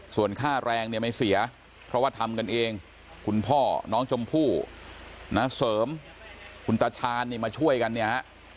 ส่วนค่าแรงเนี่ยไม่เสียเพราะว่าทำกันเองคุณพ่อน้องชมพู่นะเสริมคุณตาชาญเนี่ยมาช่วยกันเนี่ยฮะ